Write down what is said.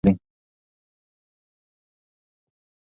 هغه ماشومان چې شیدې څښي، قوي غاښونه لري.